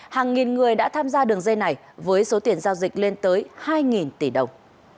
hàng nghìn người đã tham gia đường dây này với số tiền giao dịch lên tới hai tỷ đồng